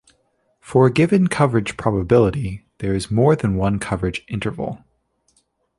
For a given coverage probability, there is more than one coverage interval.